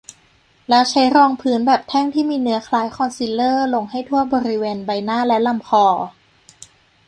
แล้วใช้รองพื้นแบบแท่งที่มีเนื้อคล้ายคอนซีลเลอร์ลงให้ทั่วบริเวณใบหน้า และลำคอ